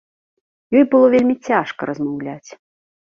Ёй было вельмі цяжка размаўляць.